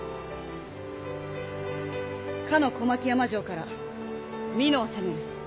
かの小牧山城から美濃を攻める。